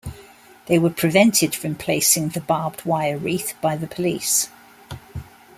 They were prevented from placing the barbed wire wreath by the police.